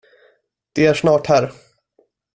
De är snart här.